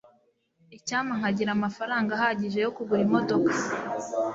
icyampa nkagira amafaranga ahagije yo kugura imodoka